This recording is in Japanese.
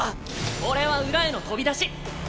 俺は裏への飛び出し！